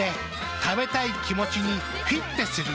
食べたい気持ちにフィッテする。